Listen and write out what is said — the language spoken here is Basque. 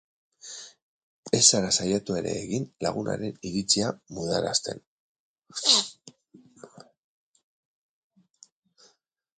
Ez zara saiatu ere egin lagunaren iritzia mudarazten.